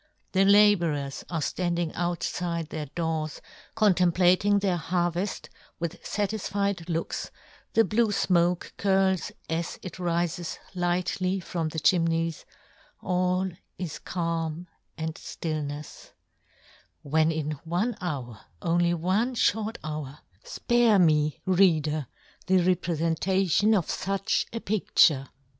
The labourers are ftanding outfide their doors contemplating their harveft with fatisfied looks, the blue fmoke i 70 yohn Gutenberg, curls as it rifes lightly from the chimneys ; all is calm and ftillnefs, when in one hour, only one fhort hour Spare me, Reader, the reprefentation of fuch a pidture.